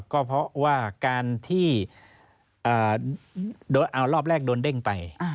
ก็เพราะว่าการที่โดนเอารอบแรกโดนเด้งไป